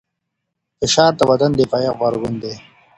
فشار د بدن دفاعي غبرګون دی.